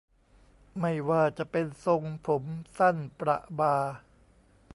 ไม่ว่าจะเป็นทรงผมสั้นประบ่า